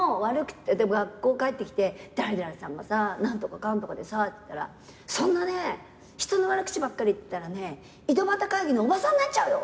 学校帰ってきて誰々さんがさ何とかかんとかでさって言ったら「そんなね人の悪口ばっかり言ってたらね井戸端会議のおばさんなっちゃうよ！」